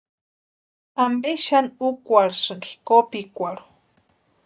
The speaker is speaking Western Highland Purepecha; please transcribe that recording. ¿Ampe xani úkwarhisïnki kopikwarhu?